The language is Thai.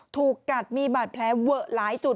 ถูกกัดมีบาดแผลเวอะหลายจุด